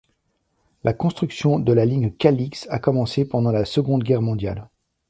La construction de la ligne Kalix a commencé pendant la Seconde Guerre mondiale.